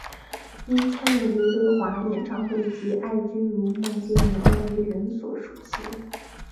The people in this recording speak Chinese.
因参演刘德华演唱会及爱君如梦电影而为人所熟悉。